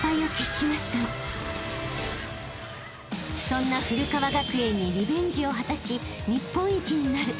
［そんな古川学園にリベンジを果たし日本一になる］